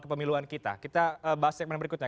kepemiluan kita kita bahas segmen berikutnya